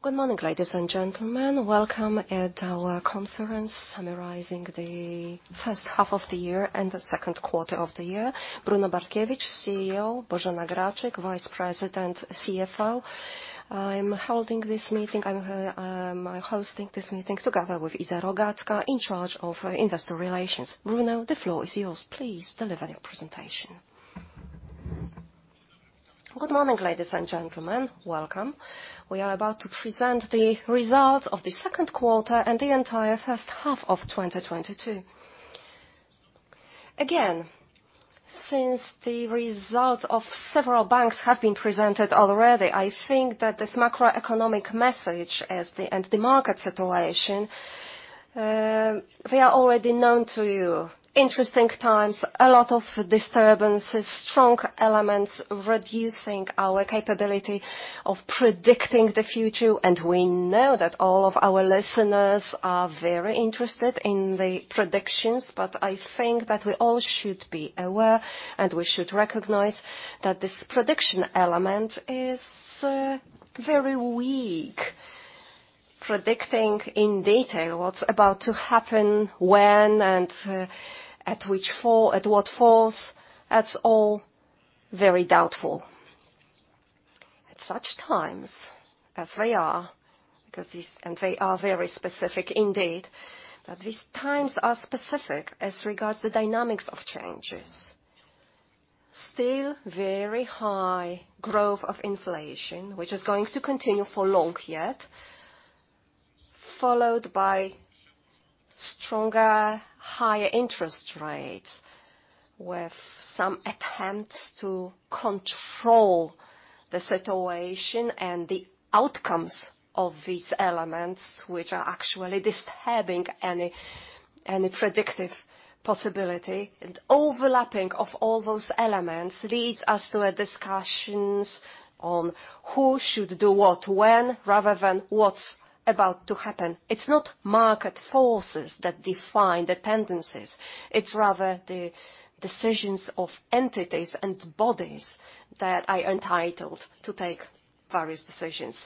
Good morning, ladies and gentlemen. Welcome to our conference summarizing the first half of the year and the second quarter of the year. Brunon Bartkiewicz, CEO. Bożena Graczyk, Vice President, CFO. I'm hosting this meeting together with Iza Rokicka, in charge of investor relations. Brunon, the floor is yours. Please deliver your presentation. Good morning ladies and gentlemen. Welcome. We are about to present the results of the second quarter and the entire first half of 2022. Again, since the results of several banks have been presented already, I think that this macroeconomic message and the market situation, they are already known to you. Interesting times, a lot of disturbances, strong elements reducing our capability of predicting the future. We know that all of our listeners are very interested in the predictions, but I think that we all should be aware, and we should recognize that this prediction element is very weak. Predicting in detail what's about to happen when and at what falls, that's all very doubtful. At such times as we are, because these and they are very specific indeed. But these times are specific as regards the dynamics of changes. Still very high growth of inflation, which is going to continue for long yet. Followed by stronger, higher interest rates, with some attempts to control the situation and the outcomes of these elements, which are actually disturbing any predictive possibility. Overlapping of all those elements, leads us to discussions on who should do what when, rather than what's about to happen. It's not market forces that define the tendencies. It's rather the decisions of entities and bodies that are entitled to take various decisions.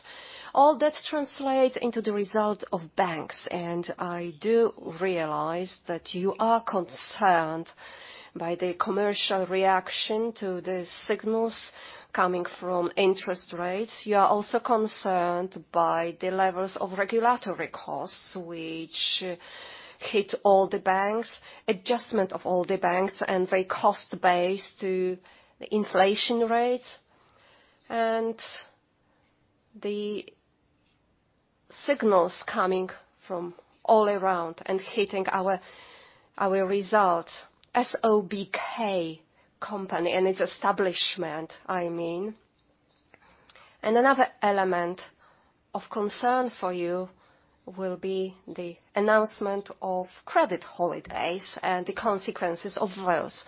All that translates into the result of banks. I do realize that you are concerned by the commercial reaction to the signals coming from interest rates. You are also concerned by the levels of regulatory costs, which hit all the banks, adjustment of all the banks and their cost base to the inflation rates. The signals coming from all around and hitting our results. SOBK company and its establishment, I mean. Another element of concern for you will be the announcement of credit holidays and the consequences of those.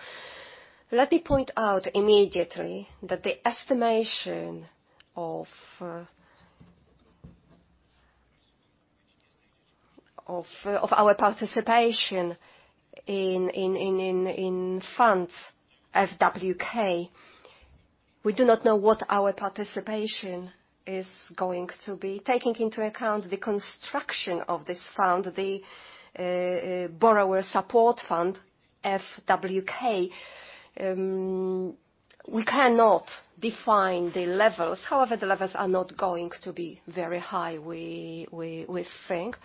Let me point out immediately that the estimation of our participation in funds, FWK, we do not know what our participation is going to be. Taking into account the construction of this fund, the Borrower Support Fund, FWK, we cannot define the levels. However, the levels are not going to be very high, we think.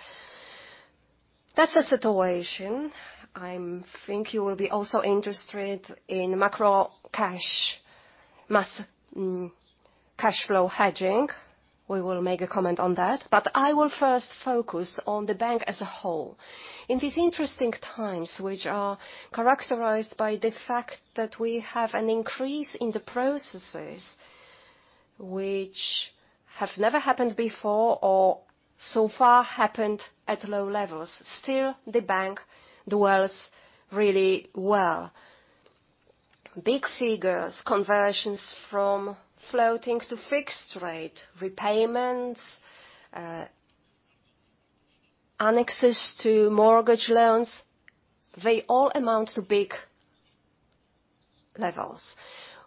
That's the situation. I think you will be also interested in macro cash flow hedging. We will make a comment on that. I will first focus on the bank as a whole. In these interesting times, which are characterized by the fact that we have an increase in the processes which have never happened before or so far happened at low levels, still the bank dwells really well. Big figures, conversions from floating to fixed rate, repayments, annexes to mortgage loans, they all amount to big levels.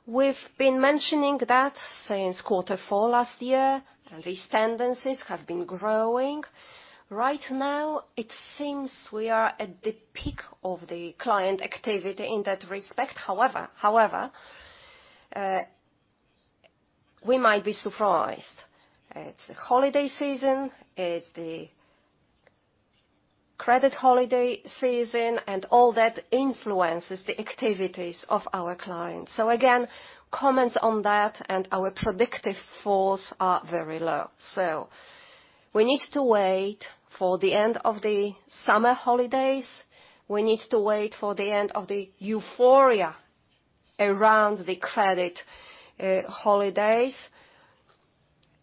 We've been mentioning that since quarter four last year, and these tendencies have been growing. Right now it seems we are at the peak of the client activity in that respect. However, we might be surprised. It's the holiday season, it's the credit holiday season, and all that influences the activities of our clients. Again, comments on that and our predictive falls are very low. We need to wait for the end of the summer holidays. We need to wait for the end of the euphoria around the credit holidays.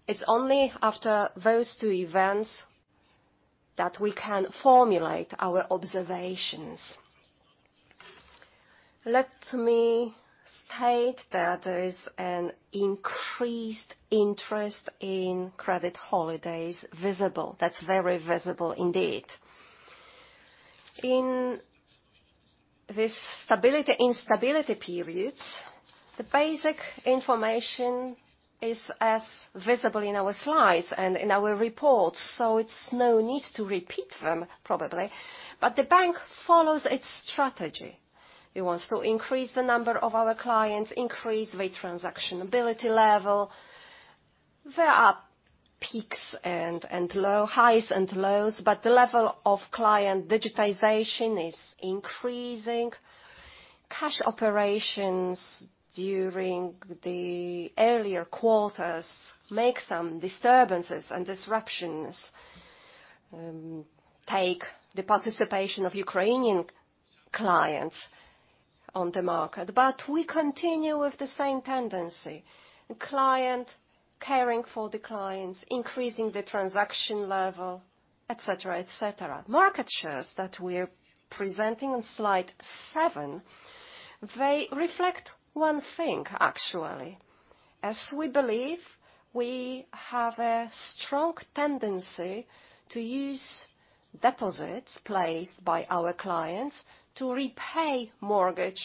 It's only after those two events that we can formulate our observations. Let me state that there is an increased interest in credit holidays visible. That's very visible indeed. In this stability, instability periods, the basic information is as visible in our slides and in our reports, so it's no need to repeat them probably. The bank follows its strategy. It wants to increase the number of our clients, increase the transactional activity level. There are peaks and highs and lows, but the level of client digitization is increasing. Cash operations during the earlier quarters make some disturbances and disruptions, the participation of Ukrainian clients on the market. We continue with the same tendency, client, caring for the clients, increasing the transaction level, et cetera, et cetera. Market shares that we're presenting on slide seven, they reflect one thing actually. As we believe, we have a strong tendency to use deposits placed by our clients to repay mortgage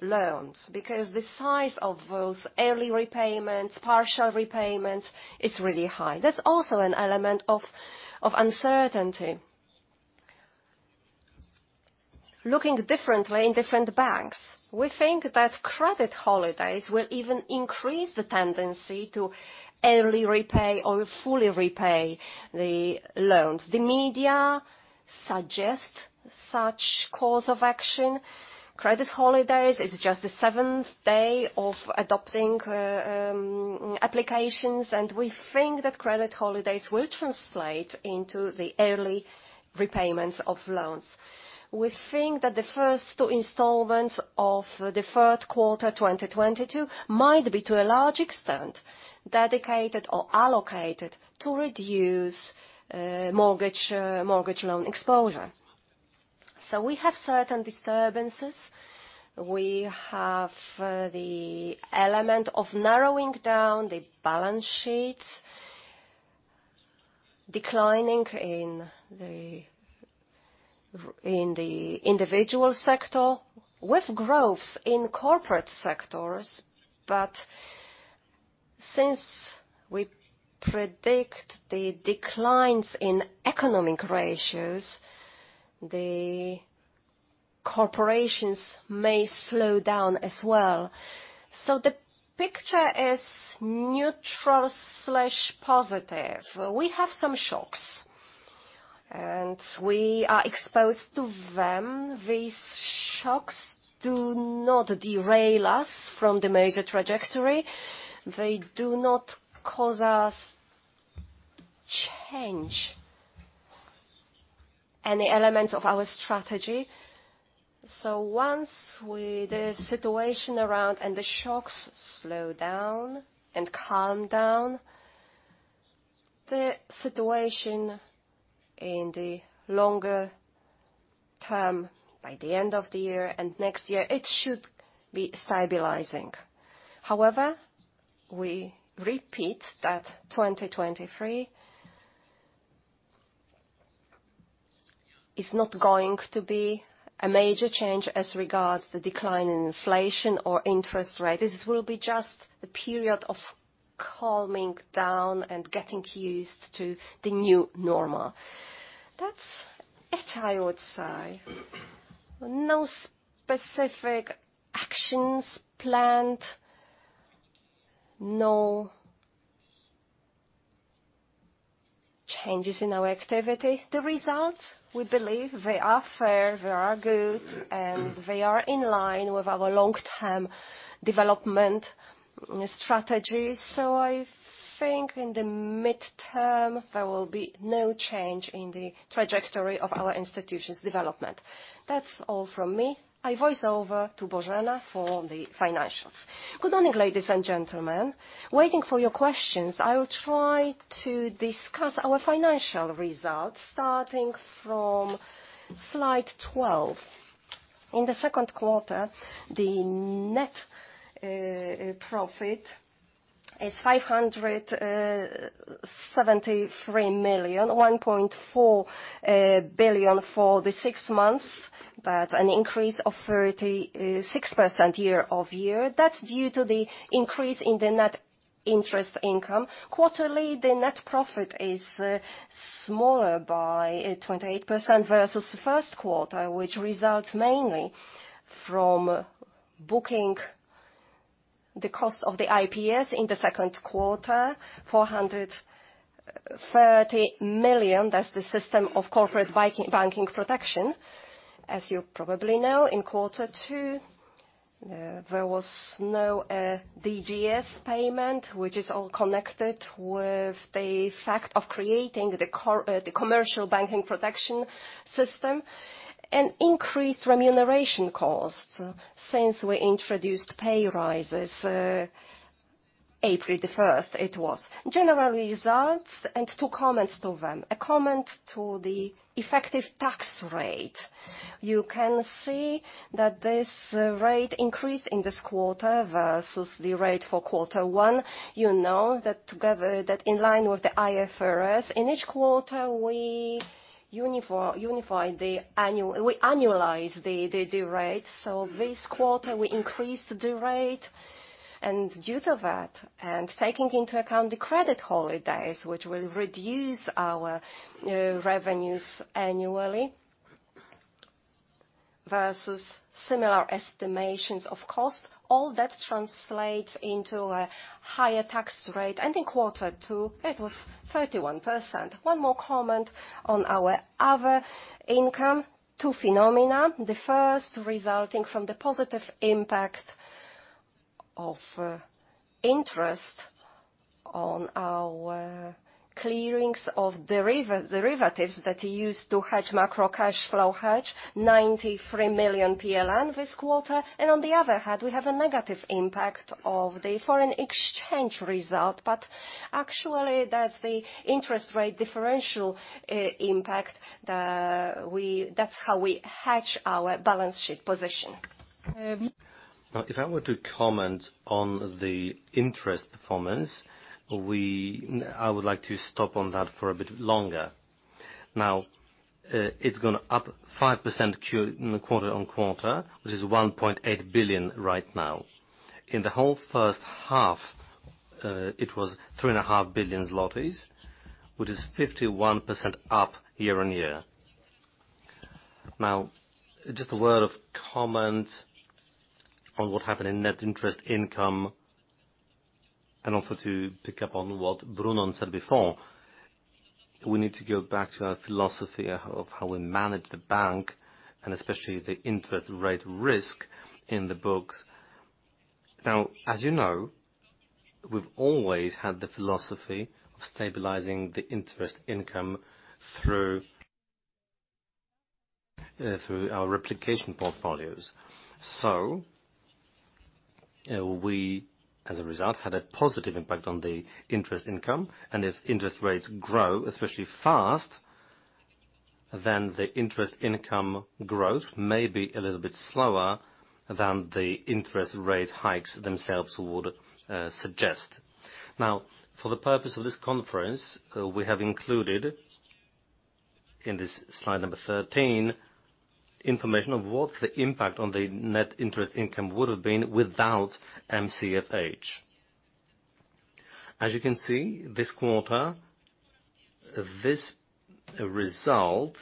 loans, because the size of those early repayments, partial repayments is really high. That's also an element of uncertainty. Looking differently in different banks, we think that credit holidays will even increase the tendency to early repay or fully repay the loans. The media suggests such course of action. Credit holidays is just the seventh day of adopting applications. We think that credit holidays will translate into the early repayments of loans. We think that the first two installments of the third quarter 2022 might be, to a large extent, dedicated or allocated to reduce mortgage loan exposure. We have certain disturbances. We have the element of narrowing down the balance sheets, declining in the individual sector with growths in corporate sectors. Since we predict the declines in economic ratios, the corporations may slow down as well. The picture is neutral/positive. We have some shocks, and we are exposed to them. These shocks do not derail us from the major trajectory. They do not cause us change any elements of our strategy. Once the situation around and the shocks slow down and calm down, the situation in the longer term, by the end of the year and next year, it should be stabilizing. However, we repeat that 2023 is not going to be a major change as regards the decline in inflation or interest rates. This will be just a period of calming down and getting used to the new normal. That's it, I would say. No specific actions planned, no changes in our activity. The results, we believe they are fair, they are good, and they are in line with our long-term development strategy. I think in the midterm, there will be no change in the trajectory of our institution's development. That's all from me. I hand over to Bożena for the financials. Good morning, ladies and gentlemen. Waiting for your questions, I will try to discuss our financial results starting from slide 12. In the second quarter, the net profit is 573 million, 1.4 billion for the six months, but an increase of 36% year-over-year. That's due to the increase in the net interest income. Quarterly, the net profit is smaller by 28% versus the first quarter, which results mainly from booking the cost of the IPS in the second quarter, 430 million. That's the system of commercial banking protection system. As you probably know, in quarter two, there was no DGS payment, which is all connected with the fact of creating the commercial banking protection system, and increased remuneration costs since we introduced pay rises, April the 1st, it was. General results and two comments to them. A comment to the effective tax rate. You can see that this rate increase in this quarter versus the rate for quarter one, you know that together that in line with the IFRS. In each quarter, we unify the annual, we annualize the rate. This quarter we increased the rate, and due to that and taking into account the credit holidays, which will reduce our revenues annually versus similar estimations of cost, all that translates into a higher tax rate. In quarter two it was 31%. One more comment on our other income, two phenomena. The first resulting from the positive impact of interest on our clearings of derivatives that we use to hedge macro cash flow hedge 93 million PLN this quarter. On the other hand we have a negative impact of the foreign exchange result. Actually that's the interest rate differential. That's how we hedge our balance sheet position. Now, if I were to comment on the interest performance, I would like to stop on that for a bit longer. Now, it's gone up 5% quarter-on-quarter, which is 1.8 billion right now. In the whole first half, it was 3.5 billion zlotys, which is 51% up year-on-year. Now just a word of comment on what happened in net interest income, and also to pick up on what Brunon said before. We need to go back to our philosophy of how we manage the bank and especially the interest rate risk in the books. Now as you know, we've always had the philosophy of stabilizing the interest income through our replicating portfolios. We as a result had a positive impact on the interest income. If interest rates grow especially fast, then the interest income growth may be a little bit slower than the interest rate hikes themselves would suggest. Now, for the purpose of this conference, we have included in this slide 13, information of what the impact on the net interest income would have been without MCFH. As you can see this quarter, this result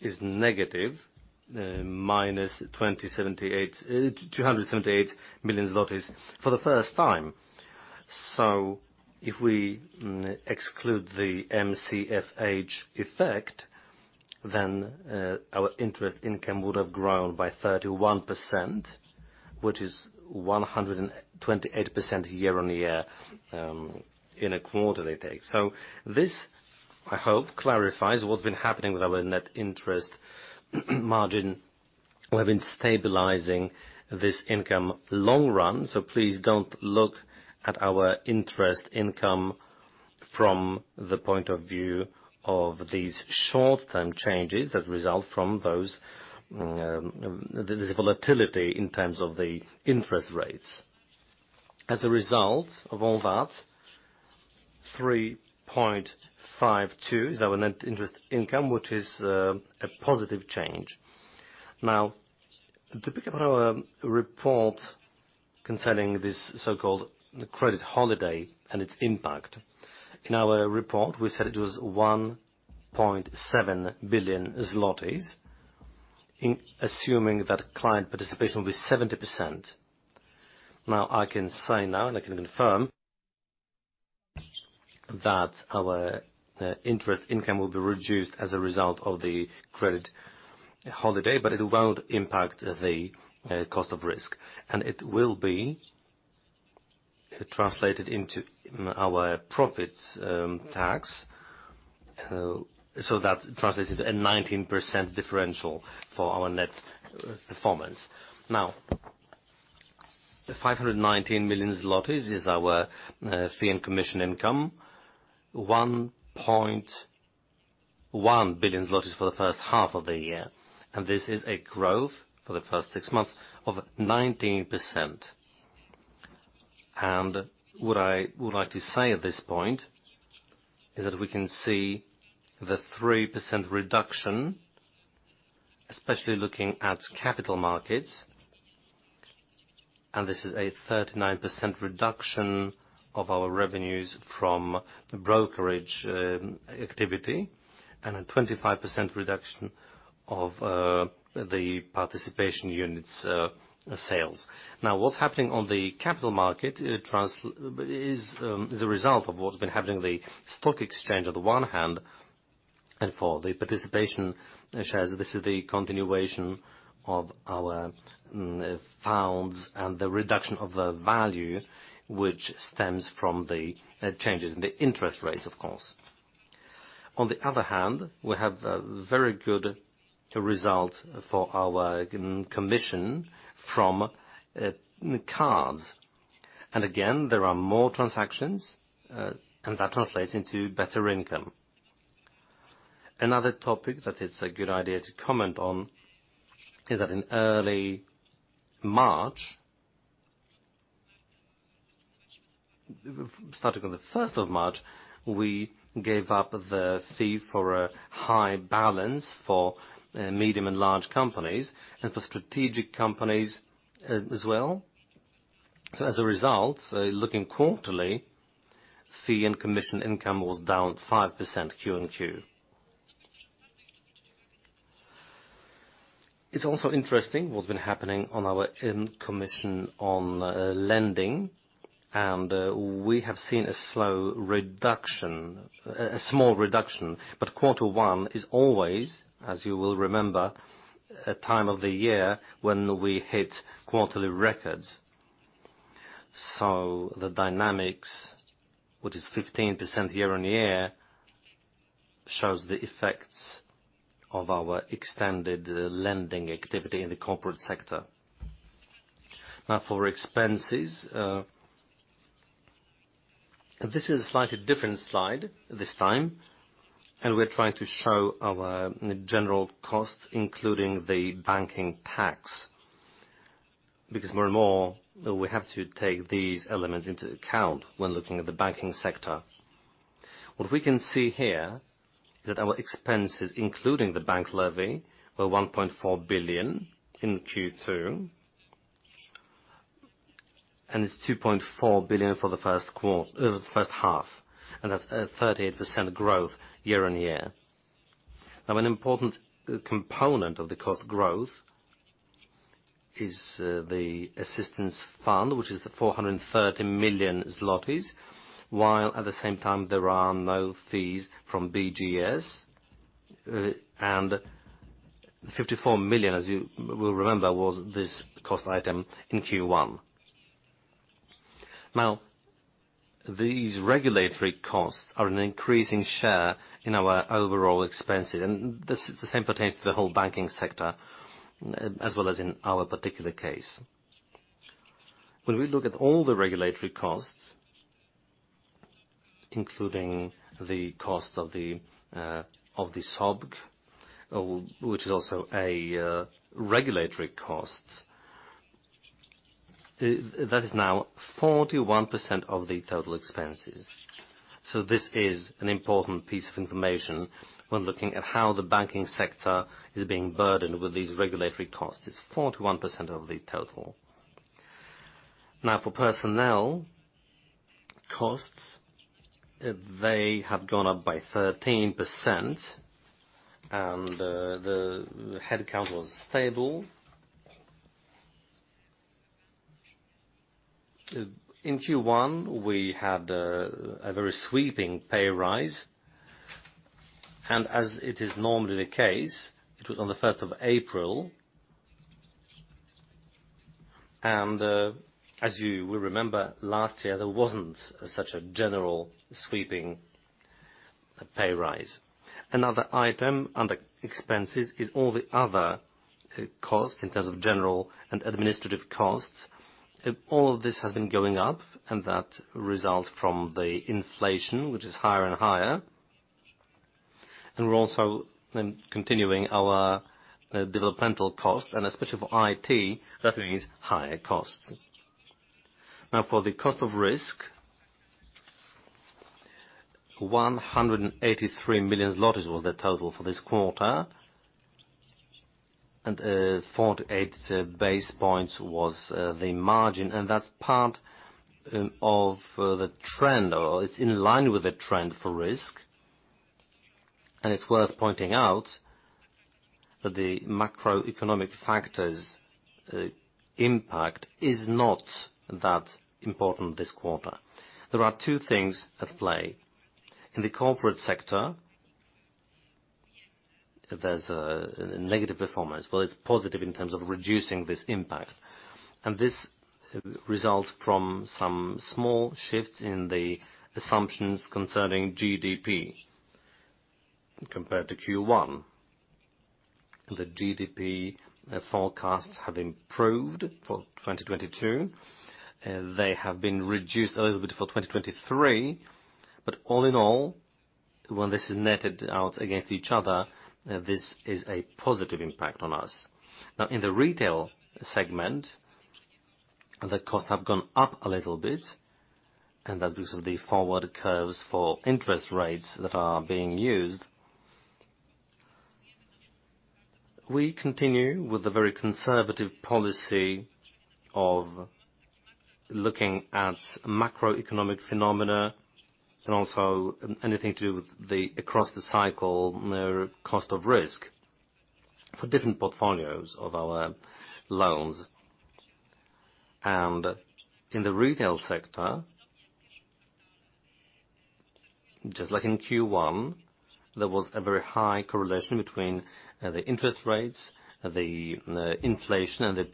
is negative, -278 million zlotys for the first time. If we exclude the MCFH effect, then our interest income would have grown by 31%, which is 128% year-on-year in a quarterly take. This, I hope, clarifies what's been happening with our net interest margin. We have been stabilizing this income long run, so please don't look at our interest income from the point of view of these short-term changes that result from those, the volatility in terms of the interest rates. As a result of all that, 3.52% is our net interest income, which is a positive change. Now, to pick up on our report concerning this so-called credit holiday and its impact. In our report we said it was 1.7 billion zlotys assuming that client participation will be 70%. Now I can say now, and I can confirm that our interest income will be reduced as a result of the credit holiday, but it won't impact the cost of risk, and it will be translated into our profits, tax. That translates into a 19% differential for our net performance. Now, the 519 million zlotys is our fee and commission income, 1.1 billion zlotys for the first half of the year, and this is a growth for the first six months of 19%. What I would like to say at this point is that we can see the 3% reduction, especially looking at capital markets, and this is a 39% reduction of our revenues from the brokerage activity and a 25% reduction of the participation units sales. Now what's happening on the capital market, it is, as a result of what's been happening in the stock exchange on the one hand, and for the participation units, this is the continuation of our funds and the reduction of the value which stems from the changes in the interest rates, of course. On the other hand, we have a very good result for our commission from cards. And again, there are more transactions, and that translates into better income. Another topic that it's a good idea to comment on is that in early March, starting on the first of March, we gave up the fee for a high balance for medium and large companies, and for strategic companies, as well. As a result, looking quarterly, fee and commission income was down 5% Q-o-Q. It's also interesting what's been happening on our commission on lending. We have seen a slow reduction, a small reduction, but quarter one is always, as you will remember, a time of the year when we hit quarterly records. The dynamics, which is 15% year-on-year, shows the effects of our extended lending activity in the corporate sector. Now for expenses, this is a slightly different slide this time, and we're trying to show our general costs, including the banking tax, because more and more, we have to take these elements into account when looking at the banking sector. What we can see here, that our expenses, including the bank levy, were 1.4 billion in Q2. It's 2.4 billion for the first half, and that's a 38% growth year-on-year. An important component of the cost growth is the assistance fund, which is 430 million zlotys, while at the same time there are no fees from BFG, and 54 million, as you will remember, was this cost item in Q1. These regulatory costs are an increasing share in our overall expenses, and the same pertains to the whole banking sector, as well as in our particular case. When we look at all the regulatory costs, including the cost of the SOBK, which is also a regulatory cost, that is now 41% of the total expenses. This is an important piece of information when looking at how the banking sector is being burdened with these regulatory costs. It's 41% of the total. Now for personnel costs, they have gone up by 13% and the headcount was stable. In Q1, we had a very sweeping pay raise, and as it is normally the case, it was on the first of April. As you will remember, last year there wasn't such a general sweeping pay raise. Another item under expenses is all the other costs in terms of general and administrative costs. All of this has been going up, and that results from the inflation, which is higher and higher. We're also then continuing our developmental costs, and especially for IT, that means higher costs. Now for the cost of risk, 183 million zlotys was the total for this quarter, and 48 basis points was the margin. That's part of the trend, or it's in line with the trend for risk. It's worth pointing out that the macroeconomic factors impact is not that important this quarter. There are two things at play. In the corporate sector, there's a negative performance. Well, it's positive in terms of reducing this impact. This results from some small shifts in the assumptions concerning GDP compared to Q1. The GDP forecasts have improved for 2022. They have been reduced a little bit for 2023. But all in all, when this is netted out against each other, this is a positive impact on us. Now, in the retail segment, the costs have gone up a little bit, and that's because of the forward curves for interest rates that are being used. We continue with a very conservative policy of looking at macroeconomic phenomena and also anything to do with the across the cycle cost of risk for different portfolios of our loans. In the retail sector, just like in Q1, there was a very high correlation between the interest rates, the inflation, and the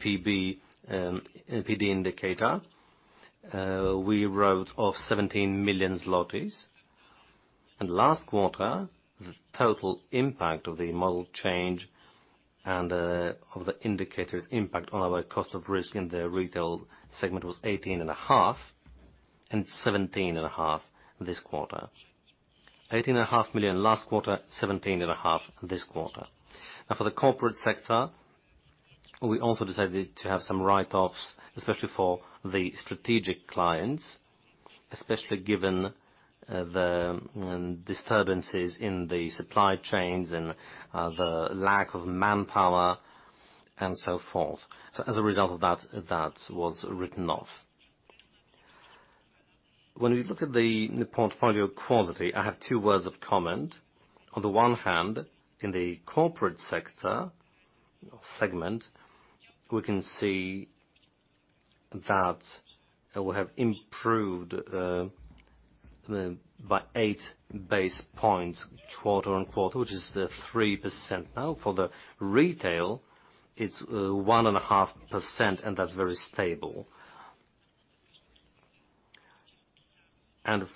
PD indicator. We wrote off 17 million zlotys. Last quarter, the total impact of the model change and of the indicators impact on our cost of risk in the retail segment was 18.5% and 17.5% this quarter. 18.5% last quarter, 17.5% this quarter. Now for the corporate sector, we also decided to have some write-offs, especially for the strategic clients, especially given the disturbances in the supply chains and the lack of manpower and so forth. As a result of that was written off. When we look at the portfolio quality, I have two words of comment. On the one hand, in the corporate sector segment, we can see that we have improved by eight basis points quarter-on-quarter, which is the 3% now. For the retail, it's 1.5%, and that's very stable.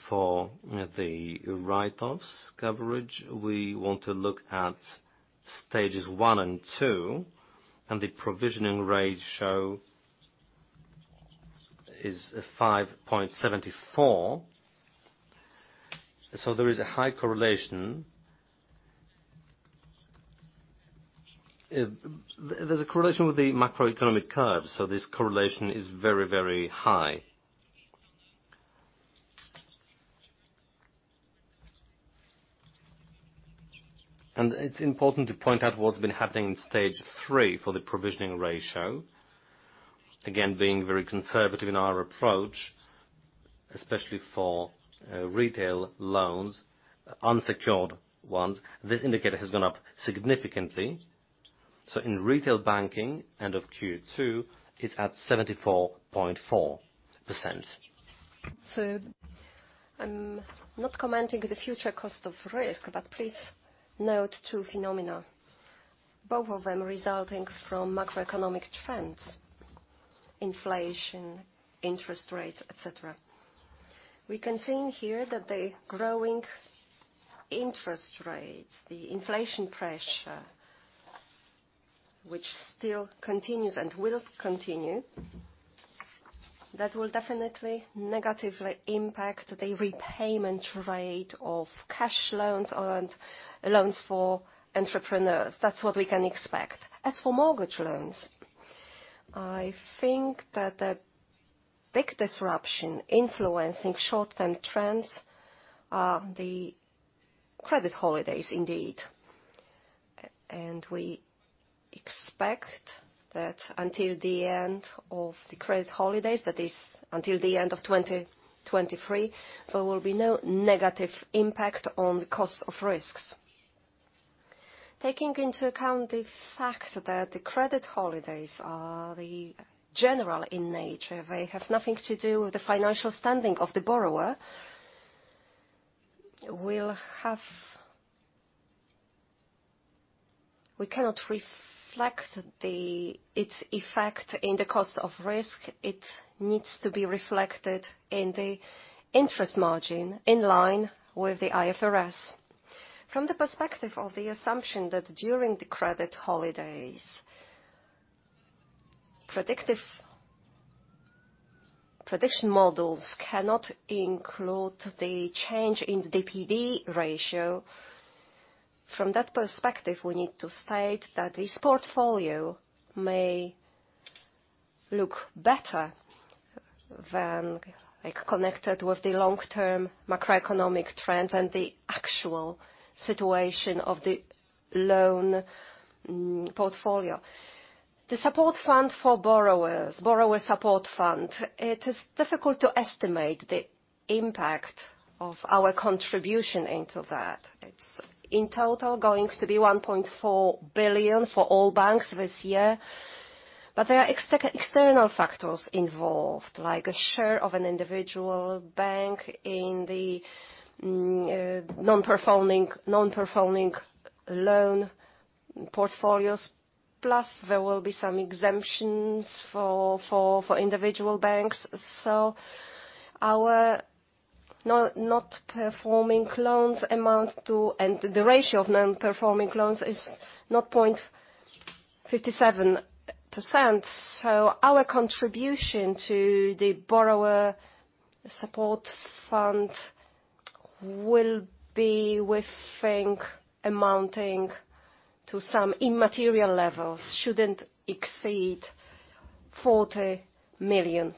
For the write-offs coverage, we want to look at Stages 1 and 2, and the provisioning rates shows 5.74%. There is a high correlation. There's a correlation with the macroeconomic curve, so this correlation is very, very high. It's important to point out what's been happening in Stage 3 for the provisioning ratio. Again, being very conservative in our approach, especially for retail loans, unsecured ones. This indicator has gone up significantly. In retail banking, end of Q2, it's at 74.4%. I'm not commenting the future cost of risk, but please note two phenomena, both of them resulting from macroeconomic trends, inflation, interest rates, et cetera. We can see in here that the growing interest rates, the inflation pressure, which still continues and will continue, that will definitely negatively impact the repayment rate of cash loans and loans for entrepreneurs. That's what we can expect. As for mortgage loans, I think that the big disruption influencing short-term trends are the credit holidays indeed. And we expect that until the end of the credit holidays, that is until the end of 2023, there will be no negative impact on cost of risks. Taking into account the fact that the credit holidays are the general in nature, they have nothing to do with the financial standing of the borrower, we'll have We cannot reflect its effect in the cost of risk. It needs to be reflected in the interest margin in line with the IFRS. From the perspective of the assumption that during the credit holidays, prediction models cannot include the change in the P/D ratio. From that perspective, we need to state that this portfolio may look better than, like, connected with the long-term macroeconomic trends and the actual situation of the loan portfolio. The Borrower Support Fund, it is difficult to estimate the impact of our contribution into that. It's in total going to be 1.4 billion for all banks this year, but there are external factors involved, like a share of an individual bank in the non-performing loan portfolios. There will be some exemptions for individual banks. Our non-performing loans amount to. The ratio of non-performing loans is 0.57%. Our contribution to the Borrower Support Fund will be, we think, amounting to some immaterial levels, shouldn't exceed PLN 40 million.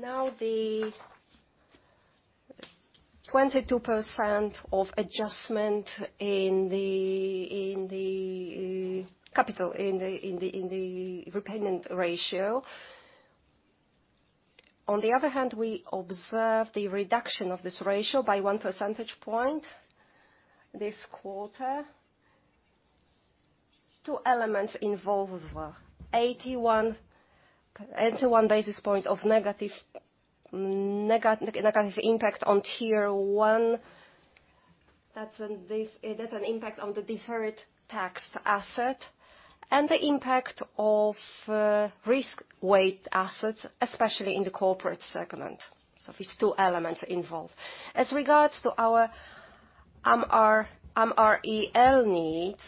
The 22% adjustment in the repayment ratio. On the other hand, we observe the reduction of this ratio by one percentage point this quarter. Two elements involved. 81 basis points of negative impact on Tier 1. It has an impact on the deferred tax asset and the impact of risk-weighted assets, especially in the corporate segment. There are two elements involved. As regards to our MREL needs,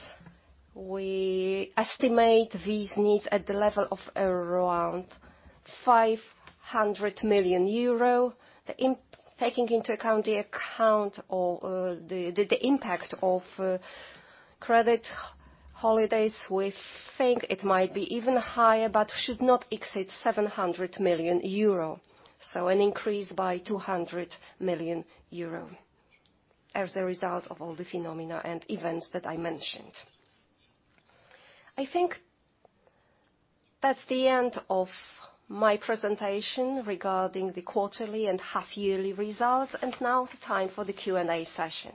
we estimate these needs at the level of around 500 million euro. Taking into account the impact of credit holidays, we think it might be even higher, but should not exceed 700 million euro. An increase by 200 million euro as a result of all the phenomena and events that I mentioned. I think that's the end of my presentation regarding the quarterly and half-yearly results, and now is the time for the Q&A session.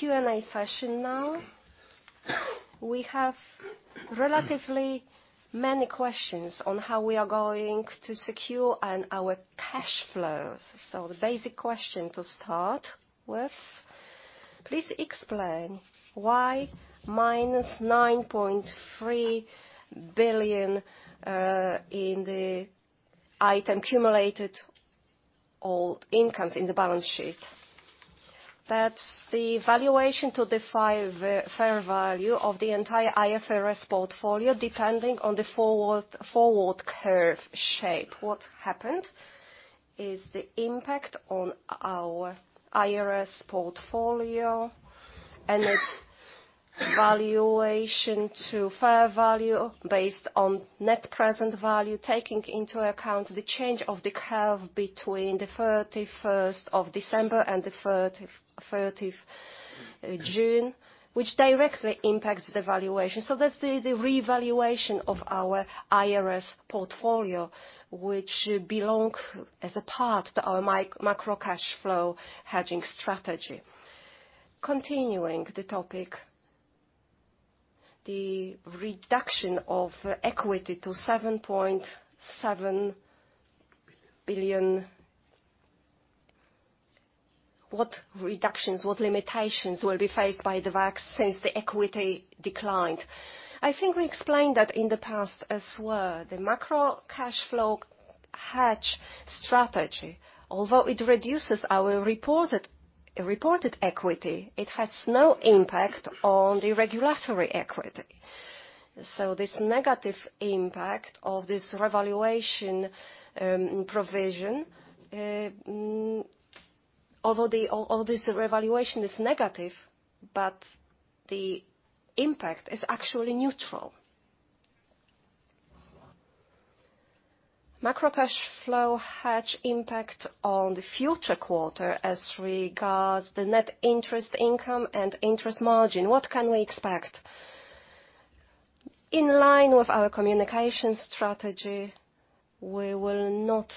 Q&A session now. We have relatively many questions on how we are going to secure our cash flows. The basic question to start with, please explain why -9.3 billion in the item Accumulated Other Comprehensive Income in the balance sheet. That's the valuation to derive the fair value of the entire IFRS portfolio, depending on the forward curve shape. What happened is the impact on our IRS portfolio and its valuation to fair value based on net present value, taking into account the change of the curve between the 31st of December and the 30th June, which directly impacts the valuation. That's the revaluation of our IRS portfolio, which belong as a part to our macro cash flow hedging strategy. Continuing the topic, the reduction of equity to 7.7 billion, what reductions, what limitations will be faced by the bank since the equity declined? I think we explained that in the past as well. The macro cash flow hedge strategy, although it reduces our reported equity, it has no impact on the regulatory equity. This negative impact of this revaluation provision, although all this revaluation is negative, but the impact is actually neutral. Macro cash flow hedge impact on the future quarter as regards the net interest income and interest margin, what can we expect? In line with our communication strategy, we will not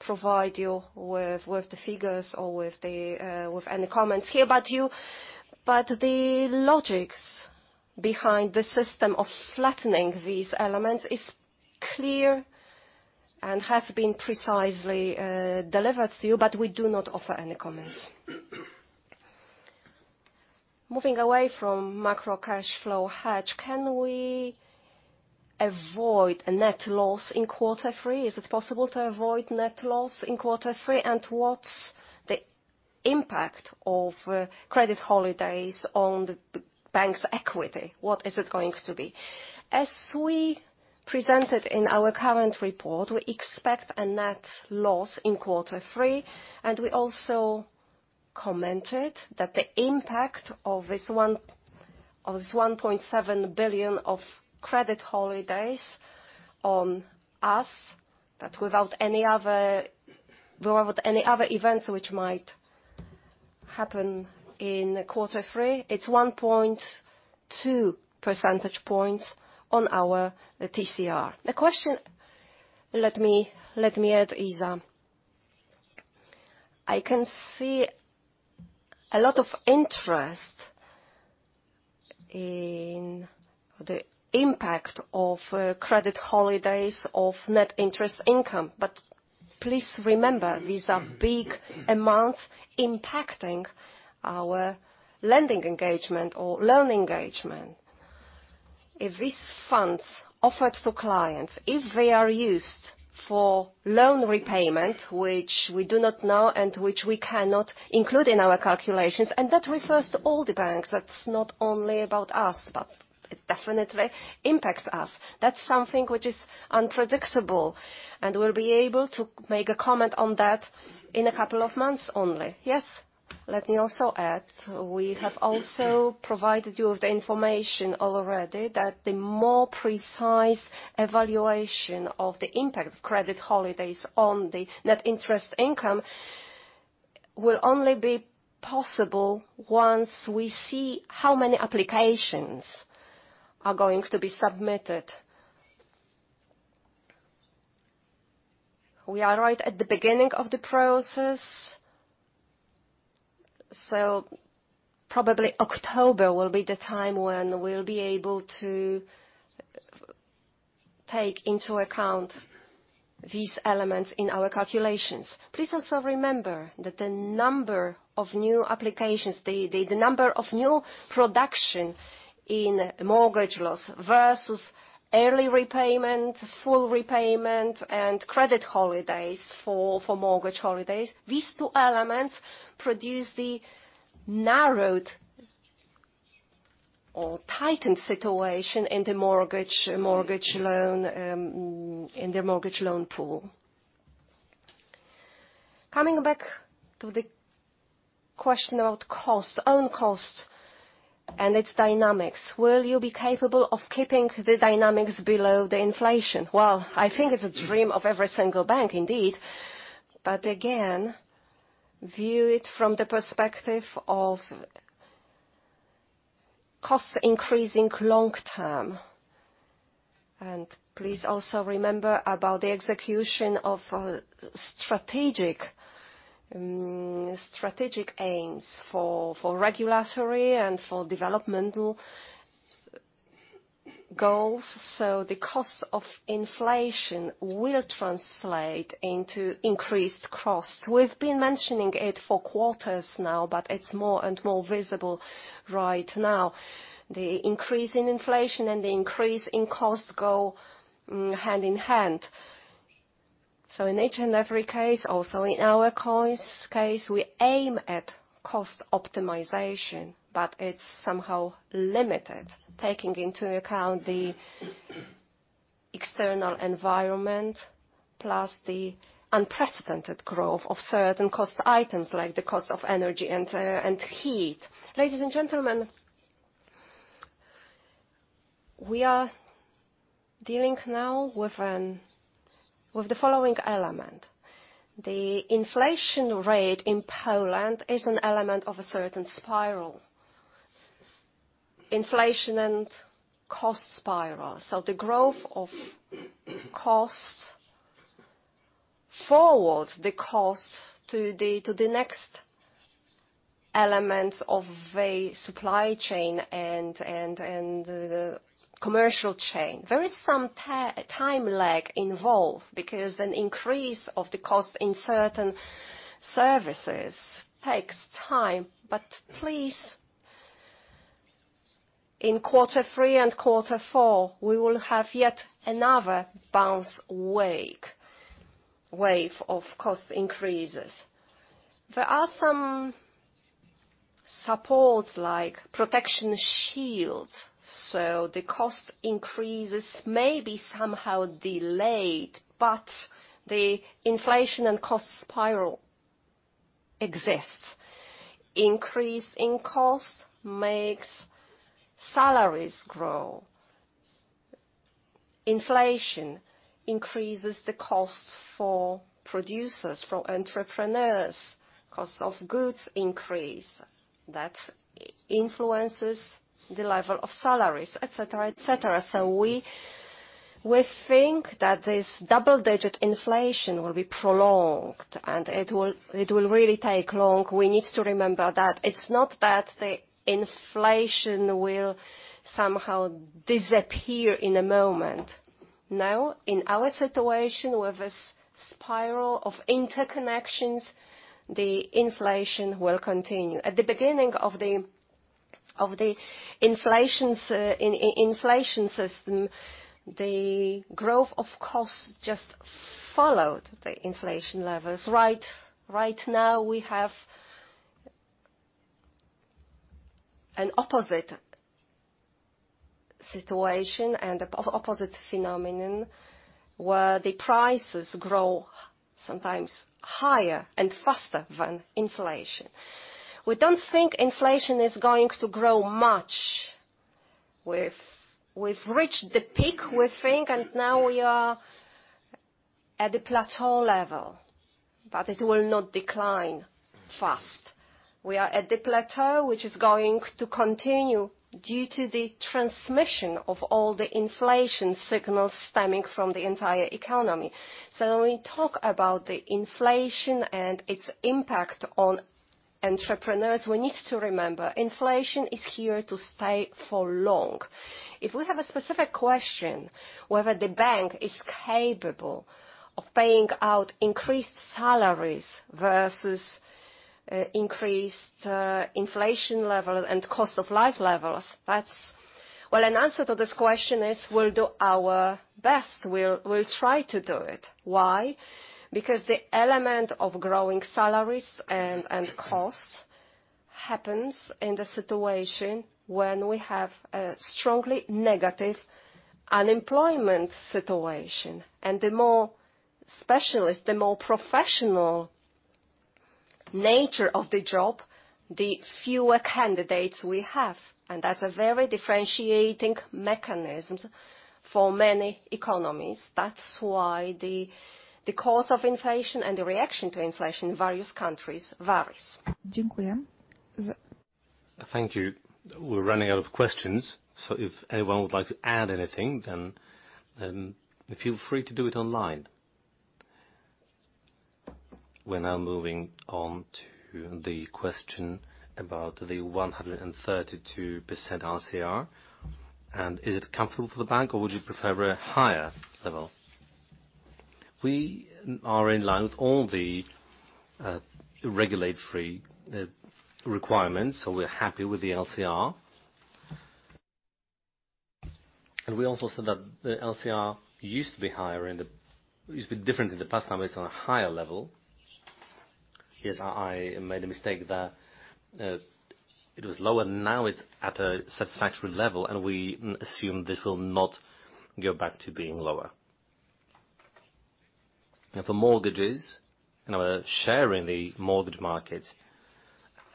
provide you with the figures or with any comments here. The logics behind the system of flattening these elements is clear and has been precisely delivered to you, but we do not offer any comments. Moving away from macro cash flow hedge, can we avoid a net loss in quarter three? Is it possible to avoid net loss in quarter three? And what's the impact of credit holidays on the bank's equity? What is it going to be? As we presented in our current report, we expect a net loss in quarter three, and we also commented that the impact of this 1.7 billion of credit holidays on us, that without any other events which might happen in quarter three, it's 1.2 percentage points on our TCR. The question, let me add is, I can see a lot of interest in the impact of credit holidays on net interest income. Please remember, these are big amounts impacting our lending engagement or loan engagement. If these funds offered to clients, if they are used for loan repayment, which we do not know and which we cannot include in our calculations, and that refers to all the banks, that's not only about us, but it definitely impacts us. That's something which is unpredictable, and we'll be able to make a comment on that in a couple of months only. Yes. Let me also add, we have also provided you with the information already that the more precise evaluation of the impact of credit holidays on the net interest income will only be possible once we see how many applications are going to be submitted. We are right at the beginning of the process. Probably October will be the time when we'll be able to take into account these elements in our calculations. Please also remember that the number of new applications, the number of new production in mortgage loans versus early repayment, full repayment, and credit holidays for mortgage holidays, these two elements produce the narrowed or tightened situation in the mortgage loan pool. Coming back to the question about costs, own costs and its dynamics. Will you be capable of keeping the dynamics below the inflation? Well, I think it's a dream of every single bank indeed. View it from the perspective of costs increasing long-term. Please also remember about the execution of strategic aims for regulatory and for developmental goals. The cost of inflation will translate into increased costs. We've been mentioning it for quarters now, but it's more and more visible right now. The increase in inflation and the increase in costs go hand in hand. In each and every case, also in our case, we aim at cost optimization, but it's somehow limited taking into account the external environment, plus the unprecedented growth of certain cost items like the cost of energy and heat. Ladies and gentlemen, we are dealing now with the following element. The inflation rate in Poland is an element of a certain spiral. Inflation and cost spiral. The growth of costs forwards the cost to the next elements of a supply chain and the commercial chain. There is some time lag involved because an increase of the cost in certain services takes time. Please, in quarter three and quarter four, we will have yet another bounce wave of cost increases. There are some supports like protection shields, so the cost increases may be somehow delayed, but the inflation and cost spiral exists. Increase in cost makes salaries grow. Inflation increases the costs for producers, for entrepreneurs. Cost of goods increase. That influences the level of salaries, et cetera, et cetera. We think that this double-digit inflation will be prolonged, and it will really take long. We need to remember that it's not that the inflation will somehow disappear in a moment. No. In our situation with this spiral of interconnections, the inflation will continue. At the beginning of the inflation system, the growth of costs just followed the inflation levels. Right now we have an opposite situation and opposite phenomenon where the prices grow sometimes higher and faster than inflation. We don't think inflation is going to grow much. We've reached the peak, we think, and now we are at a plateau level, but it will not decline fast. We are at a plateau, which is going to continue due to the transmission of all the inflation signals stemming from the entire economy. When we talk about the inflation and its impact on entrepreneurs, we need to remember, inflation is here to stay for long. If we have a specific question, whether the bank is capable of paying out increased salaries versus increased inflation level and cost of living levels, that's. Well, an answer to this question is, we'll do our best. We'll try to do it. Why? Because the element of growing salaries and costs happens in the situation when we have a strongly negative unemployment situation. The more specialist, the more professional nature of the job, the fewer candidates we have. That's a very differentiating mechanisms for many economies. That's why the cause of inflation and the reaction to inflation in various countries varies. Thank you. We're running out of questions. If anyone would like to add anything, then, feel free to do it online. We're now moving on to the question about the 132% LCR, and is it comfortable for the bank or would you prefer a higher level? We are in line with all the regulatory requirements, so we're happy with the LCR. We also said that the LCR used to be higher in the past. It's been different in the past, now it's on a higher level. Yes, I made a mistake there. It was lower, now it's at a satisfactory level, and we assume this will not go back to being lower. Now, for mortgages, you know, share in the mortgage market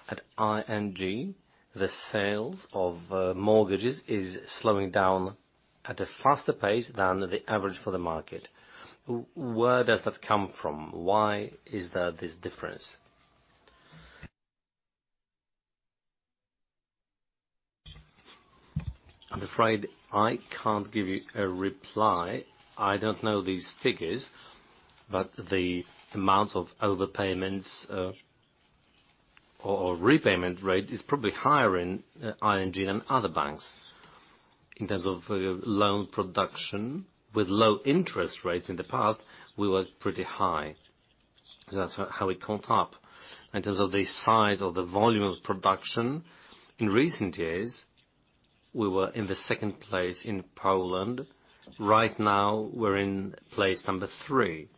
at ING, the sales of mortgages is slowing down at a faster pace than the average for the market. Where does that come from? Why is there this difference? I'm afraid I can't give you a reply. I don't know these figures, but the amount of overpayments, or repayment rate is probably higher in ING than other banks. In terms of loan production with low interest rates in the past, we were pretty high. That's how we caught up. In terms of the size of the volume of production, in recent years, we were in the second place in Poland. Right now, we're in place number three.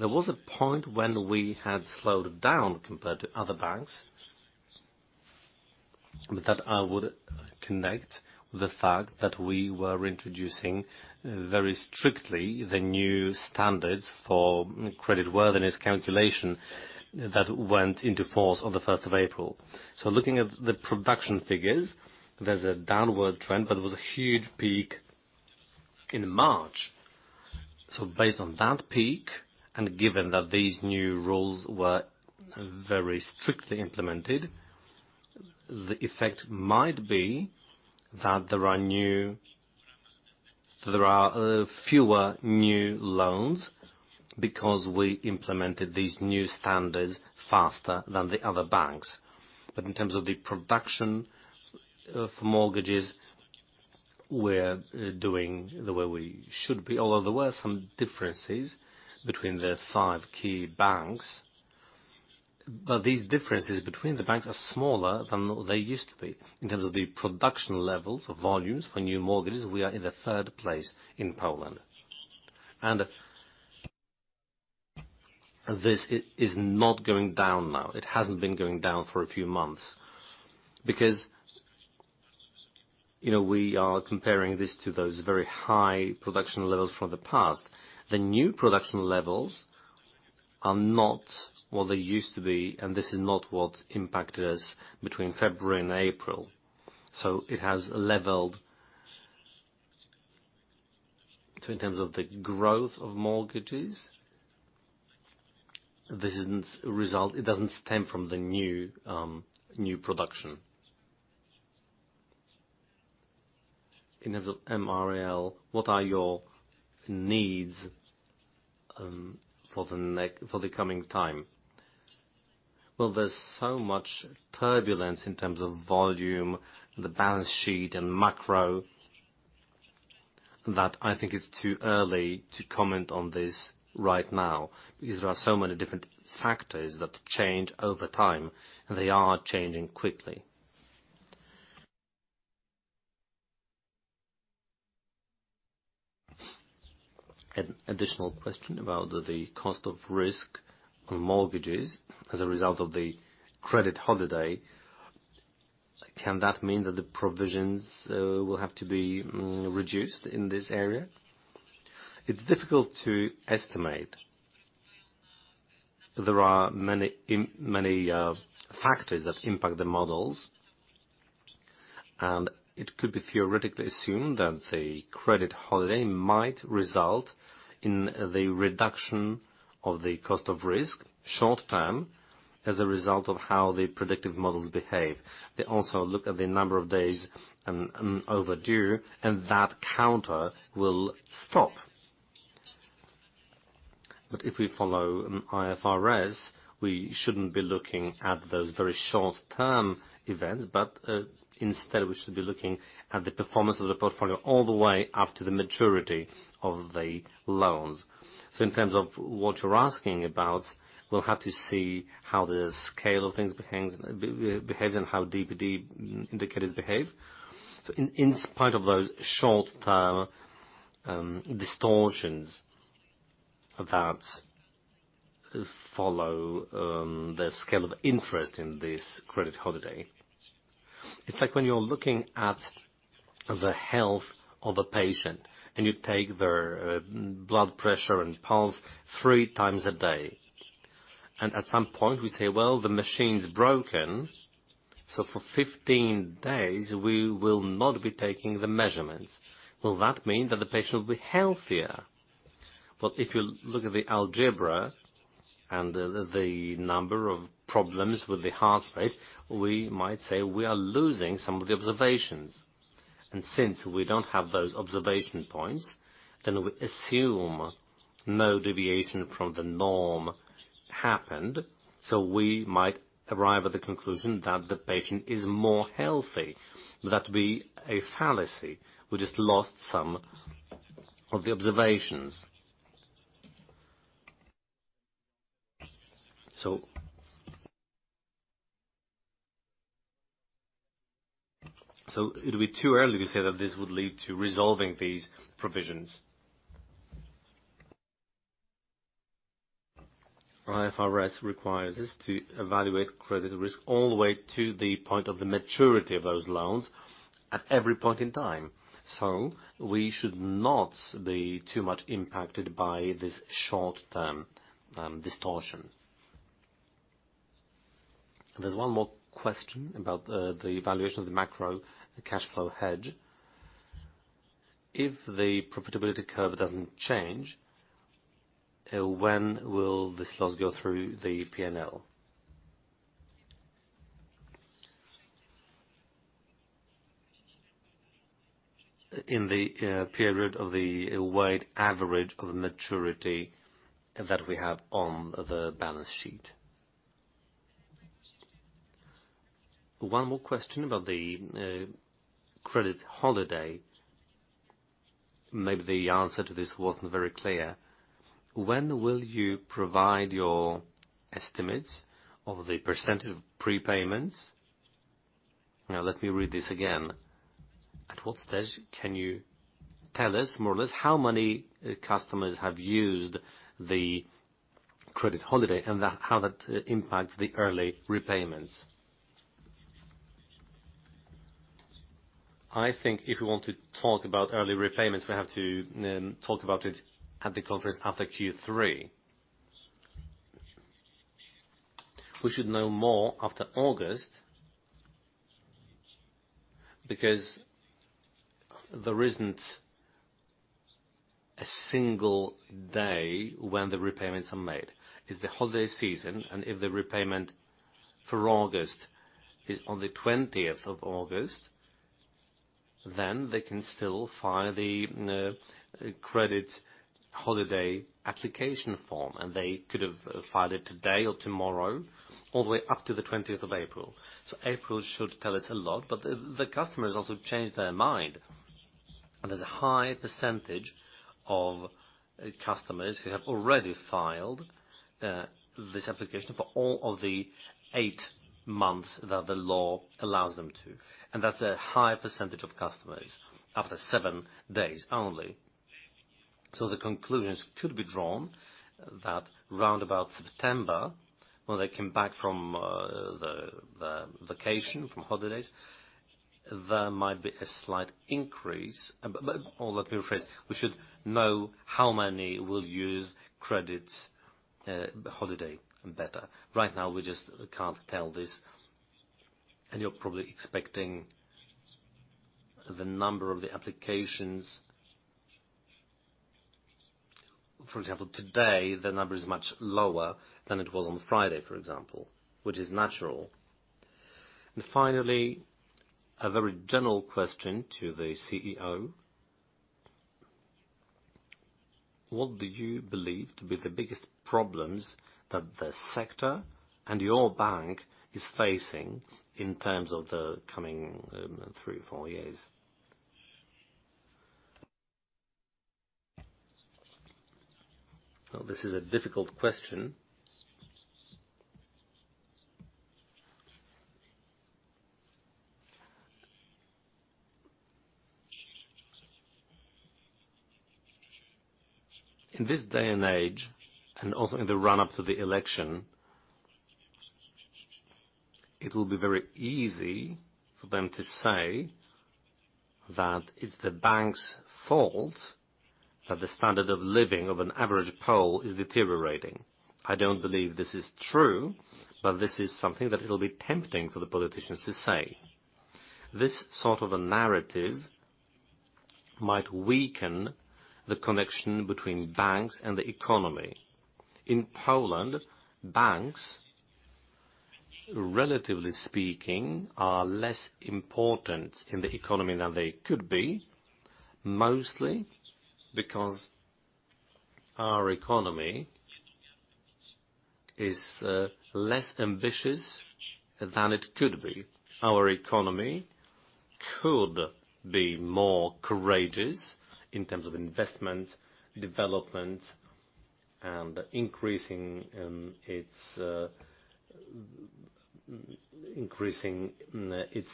There was a point when we had slowed down compared to other banks, but that I would connect the fact that we were introducing very strictly the new standards for creditworthiness calculation that went into force on the first of April. Looking at the production figures, there's a downward trend, but there was a huge peak in March. Based on that peak, and given that these new rules were very strictly implemented, the effect might be that there are fewer new loans because we implemented these new standards faster than the other banks. In terms of the production of mortgages, we're doing it the way we should be. Although there were some differences between the five key banks, but these differences between the banks are smaller than they used to be. In terms of the production levels or volumes for new mortgages, we are in the third place in Poland. This is not going down now. It hasn't been going down for a few months. Because, you know, we are comparing this to those very high production levels from the past. The new production levels are not what they used to be, and this is not what impacted us between February and April. It has leveled. In terms of the growth of mortgages, this isn't a result, it doesn't stem from the new production. In terms of MREL, what are your needs for the next, for the coming time? Well, there's so much turbulence in terms of volume, the balance sheet and macro, that I think it's too early to comment on this right now because there are so many different factors that change over time, and they are changing quickly. An additional question about the cost of risk on mortgages as a result of the credit holiday. Can that mean that the provisions will have to be reduced in this area? It's difficult to estimate. There are many factors that impact the models, and it could be theoretically assumed that the credit holiday might result in the reduction of the cost of risk short-term as a result of how the predictive models behave. They also look at the number of days overdue, and that counter will stop. If we follow IFRS, we shouldn't be looking at those very short-term events, but instead we should be looking at the performance of the portfolio all the way up to the maturity of the loans. In terms of what you're asking about, we'll have to see how the scale of things behaves and how DPD indicators behave. In spite of those short-term distortions that follow the scale of interest in this credit holiday, it's like when you're looking at the health of a patient and you take their blood pressure and pulse three times a day. At some point we say, "Well, the machine's broken, so for 15 days we will not be taking the measurements." Will that mean that the patient will be healthier? Well, if you look at the algebra and the number of problems with the heart rate, we might say we are losing some of the observations. Since we don't have those observation points, then we assume no deviation from the norm happened. We might arrive at the conclusion that the patient is more healthy. That be a fallacy. We just lost some of the observations. It'll be too early to say that this would lead to resolving these provisions. IFRS requires us to evaluate credit risk all the way to the point of the maturity of those loans at every point in time. We should not be too much impacted by this short-term distortion. There's one more question about the evaluation of the macro cash flow hedge. If the profitability curve doesn't change, when will this loss go through the P&L? In the period of the weighted average of maturity that we have on the balance sheet. One more question about the credit holiday. Maybe the answer to this wasn't very clear. When will you provide your estimates of the percentage of prepayments? Now let me read this again. At what stage can you tell us more or less how many customers have used the credit holiday, and how that impacts the early repayments? I think if you want to talk about early repayments, we have to then talk about it at the conference after Q3. We should know more after August, because there isn't a single day when the repayments are made. It's the holiday season, and if the repayment for August is on the 20th of August, then they can still file the credit holiday application form, and they could have filed it today or tomorrow, all the way up to the 20th of April. April should tell us a lot, but the customers also changed their mind. There's a high percentage of customers who have already filed this application for all of the eight months that the law allows them to. That's a high percentage of customers after seven days only. The conclusions could be drawn that round about September, when they come back from the vacation, from holidays, there might be a slight increase. Or let me rephrase. We should know how many will use credit holiday better. Right now, we just can't tell this, and you're probably expecting the number of the applications. For example, today, the number is much lower than it was on Friday, for example, which is natural. Finally, a very general question to the CEO. What do you believe to be the biggest problems that the sector and your bank is facing in terms of the coming three, four years? Well, this is a difficult question. In this day and age, and also in the run-up to the election, it will be very easy for them to say that it's the bank's fault that the standard of living of an average Pole is deteriorating. I don't believe this is true, but this is something that it'll be tempting for the politicians to say. This sort of a narrative might weaken the connection between banks and the economy. In Poland, banks, relatively speaking, are less important in the economy than they could be, mostly because our economy is less ambitious than it could be. Our economy could be more courageous in terms of investment, development, and increasing its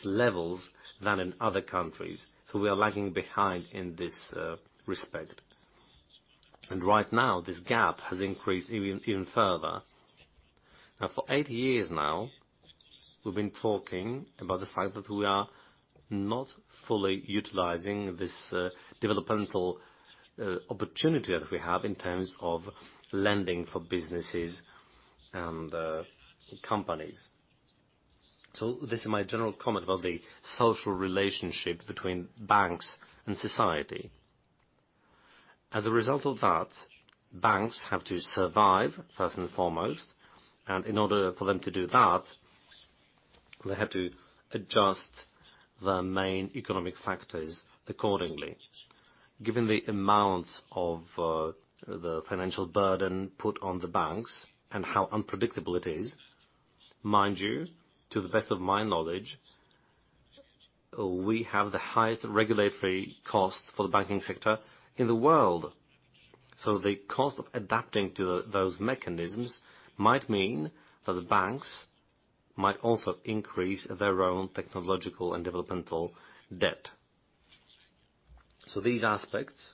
levels than in other countries. We are lagging behind in this respect. Right now, this gap has increased even further. Now, for eight years now, we've been talking about the fact that we are not fully utilizing this developmental opportunity that we have in terms of lending for businesses and companies. This is my general comment about the social relationship between banks and society. As a result of that, banks have to survive first and foremost. In order for them to do that, they have to adjust the main economic factors accordingly. Given the amounts of the financial burden put on the banks and how unpredictable it is. Mind you, to the best of my knowledge, we have the highest regulatory cost for the banking sector in the world. The cost of adapting to those mechanisms might mean that the banks might also increase their own technological and developmental debt. These aspects,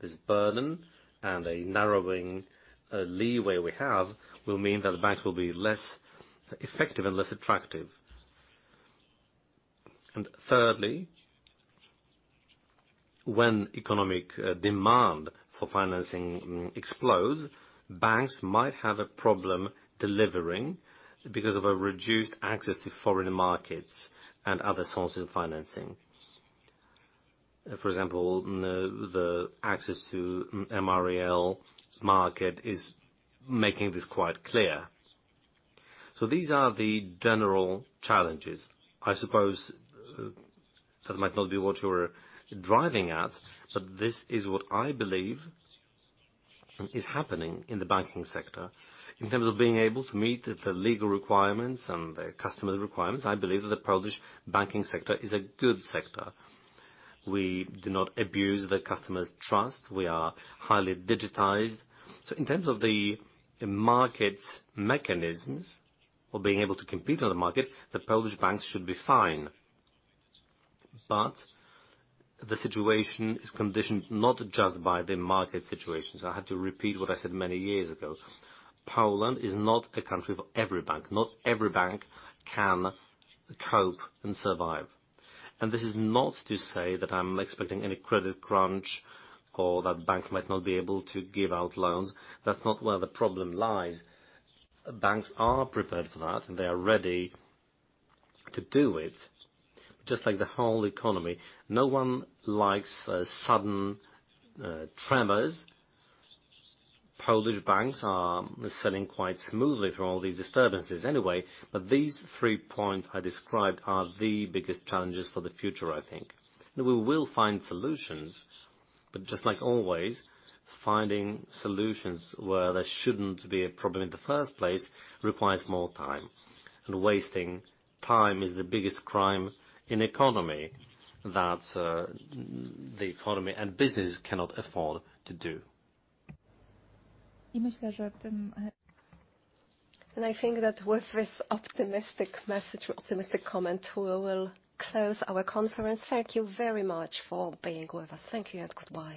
this burden and a narrowing leeway we have will mean that the banks will be less effective and less attractive. Thirdly, when economic demand for financing explodes, banks might have a problem delivering because of a reduced access to foreign markets and other sources of financing. For example, the access to MREL market is making this quite clear. These are the general challenges. I suppose that might not be what you're driving at, but this is what I believe is happening in the banking sector. In terms of being able to meet the legal requirements and the customer's requirements, I believe that the Polish banking sector is a good sector. We do not abuse the customer's trust. We are highly digitized. In terms of the market's mechanisms or being able to compete on the market, the Polish banks should be fine. The situation is conditioned not just by the market situation. I have to repeat what I said many years ago. Poland is not a country for every bank. Not every bank can cope and survive. This is not to say that I'm expecting any credit crunch or that banks might not be able to give out loans. That's not where the problem lies. Banks are prepared for that, and they are ready to do it. Just like the whole economy, no one likes sudden tremors. Polish banks are sailing quite smoothly through all these disturbances anyway. These three points I described are the biggest challenges for the future, I think. Now we will find solutions, but just like always, finding solutions where there shouldn't be a problem in the first place requires more time. Wasting time is the biggest crime in economy that, the economy and businesses cannot afford to do. I think that with this optimistic message or optimistic comment, we will close our conference. Thank you very much for being with us. Thank you and goodbye.